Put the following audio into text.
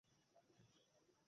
Endeavour, flight বলছি।